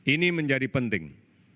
ini menjadi penting